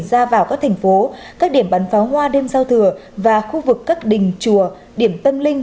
ra vào các thành phố các điểm bắn pháo hoa đêm giao thừa và khu vực các đình chùa điểm tâm linh